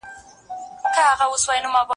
درسونه د زده کوونکي له خوا لوستل کيږي.